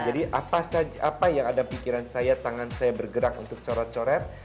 jadi apa yang ada pikiran saya tangan saya bergerak untuk corot coret